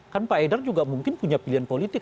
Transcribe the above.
kan pak edar juga mungkin punya pilihan politik